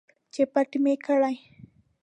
چې پټه مې کړي